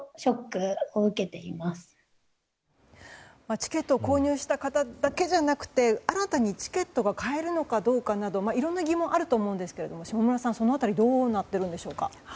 チケットを購入した方だけじゃなくて新たにチケットが買えるのかどうかなどいろんな疑問があると思うんですけれども下村さん、その辺りどうなっているんでしょうか。